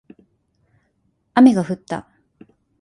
雨が降った